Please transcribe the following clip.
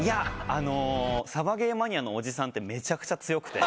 あのサバゲーマニアのおじさんってめちゃくちゃ強くて。